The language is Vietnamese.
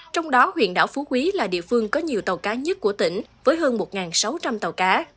trong đó huyện đảo phú quý là địa phương có nhiều tàu cá nhất của tỉnh với hơn một sáu trăm linh tàu cá